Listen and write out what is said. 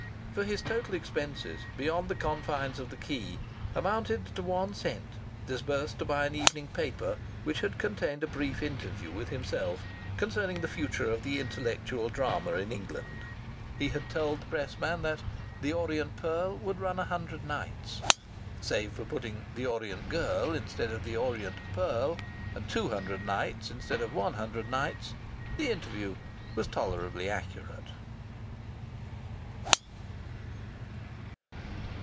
For his total expenses, beyond the confines of the quay, amounted to one cent, disbursed to buy an evening paper which had contained a brief interview with himself concerning the future of the intellectual drama in England. He had told the pressman that "The Orient Pearl" would run a hundred nights. Save for putting "The Orient Girl" instead of "The Orient Pearl," and two hundred nights instead of one hundred nights, this interview was tolerably accurate.